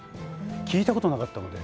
聞いたことなかったので。